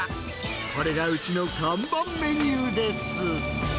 これがウチの看板メニューです。